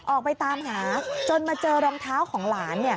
ออกไปตามหาจนมาเจอรองเท้าของหลาน